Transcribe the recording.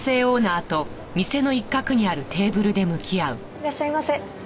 いらっしゃいませ。